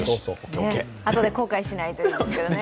あとで後悔しないといいですけどね。